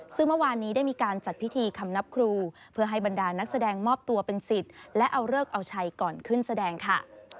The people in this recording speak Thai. ซึ่งเมื่อวานนี้ได้มีการจัดพิธีคำนับครูเพื่อให้บรรดานักแสดงมอบตัวเป็นสิทธิ์และเอาเลิกเอาชัยก่อนขึ้นแสดงค่ะ